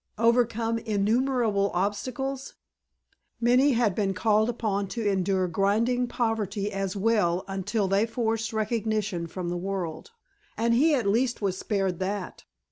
Overcome innumerable obstacles? Many had been called upon to endure grinding poverty as well until they forced recognition from the world, and he at least was spared that.